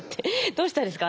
どうしたんですか？